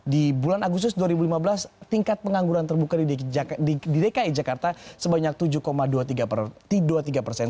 di bulan agustus dua ribu lima belas tingkat pengangguran terbuka di dki jakarta sebanyak tujuh dua puluh tiga persen